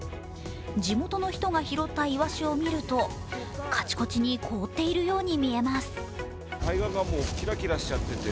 地元の人が拾ったいわしを見ると、カチコチに凍っているように見えます。